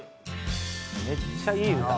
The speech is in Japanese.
めっちゃいい歌。